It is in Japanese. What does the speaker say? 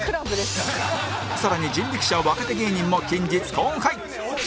更に人力舎若手芸人も近日公開